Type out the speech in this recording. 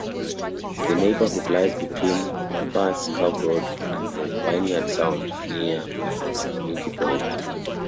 The neighborhood lies between Lambert's Cove Road and the Vineyard Sound, near Makonikey Point.